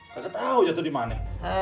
gak tau jatuh dimana